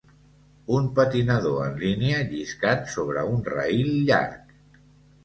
Un patinador en línia lliscant sobre un rail llarg.